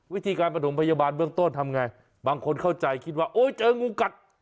วิธีการประถมพยาบาลเบื้องต้นทำไงบางคนเข้าใจคิดว่าโอ้ยเจองูกัด